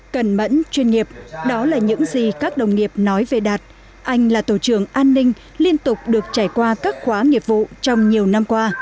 cẩn mẫn chuyên nghiệp đó là những gì các đồng nghiệp nói về đạt anh là tổ trưởng an ninh liên tục được trải qua các khóa nghiệp vụ trong nhiều năm qua